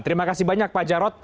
terima kasih banyak pak jarod